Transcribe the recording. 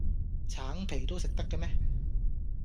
橙皮都食得嘅咩